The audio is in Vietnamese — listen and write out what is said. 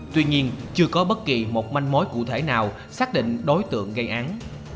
tuy nhiên chưa có bất kỳ một manh mối cụ thể nào xác định đối tượng gây án